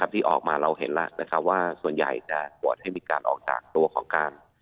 ที่ออกมาเราเห็นแล้วว่าส่วนใหญ่จะโหวตให้มีการออกจากตัวของการ